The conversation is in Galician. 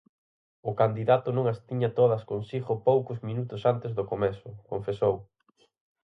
O candidato non as tiña todas consigo poucos minutos antes do comezo, confesou.